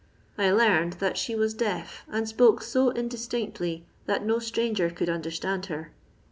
I learned that she was deaf, and spoke so indistinctly that no stranger could understand her.